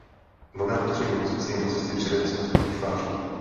Nové prostředí nemocnice jim do cesty přivede spousty nových tváří.